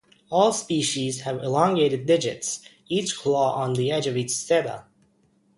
All species have elongated digits, each claw on the edge of each seta.